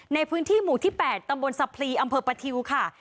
ในพื้นที่หมู่ที่๘ตำบลสะพลีอำเภอประทิวค่ะ